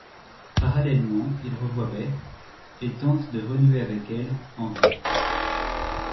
Parallèlement, il revoit Beth et tente de renouer avec elle, en vain.